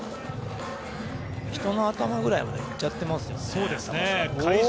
人の頭くらいまでいっちゃってますよね、高さ。